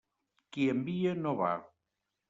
Qui envia, no va.